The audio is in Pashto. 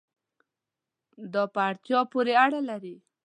دا په اړتیا پورې اړه لري